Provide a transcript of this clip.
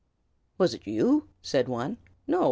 "Was it you?" said one. "No!